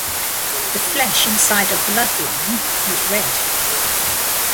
The flesh inside a blood lime is red.